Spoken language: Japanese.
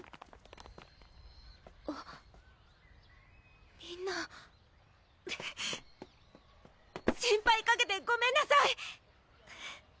あっみんな心配かけてごめんなさい！